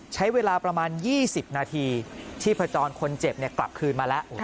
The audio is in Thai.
ใช้เวลาประมาณ๒๐นาทีชีพจรคนเจ็บกลับคืนมาแล้ว